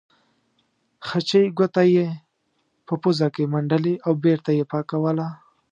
خچۍ ګوته یې په پوزه کې منډلې او بېرته یې پاکوله.